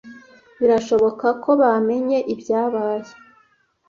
Birashoboka ko bamenye ibyabaye.